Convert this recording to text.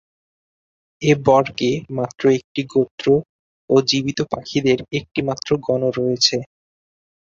এ বর্গে মাত্র একটি গোত্র ও জীবিত পাখিদের একটিমাত্র গণ রয়েছে।